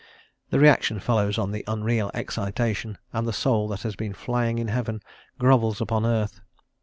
The reaction follows on the unreal excitation, and the soul that has been flying in heaven grovels upon earth.